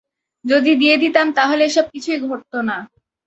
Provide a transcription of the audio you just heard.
যদি দিয়ে দিতাম, তাহলে এসব কিছুই ঘটত না।